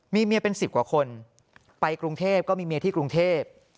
มีเมียเป็น๑๐กว่าคนไปกรุงเทพก็มีเมียที่กรุงเทพ